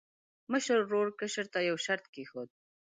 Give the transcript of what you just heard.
مشر ورور کشر ته یو شرط کېښود.